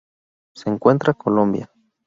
Se encuentra Colombia.